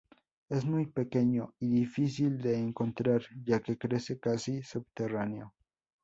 Es muy pequeño y difícil de encontrar, ya que crece casi subterráneo.